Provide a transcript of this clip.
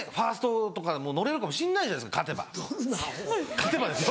勝てばですよ。